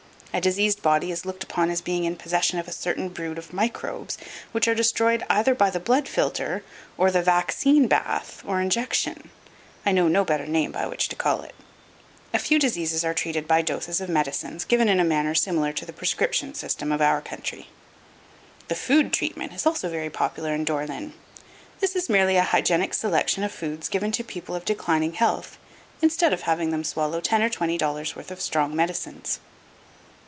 A diseased body is looked upon as being in possession of a certain brood of microbes which are destroyed either by the blood filter or the "Vaccine bath, or injection." (I know no better name by which to call it.) A few diseases are treated by doses of medicines given in a manner similar to the prescription system of our country. The "Food Treatment" is also very popular in Dore lyn. This is merely a hygienic selection of foods given to people of declining health, instead of having them swallow ten or twenty dollars' worth of strong medicines.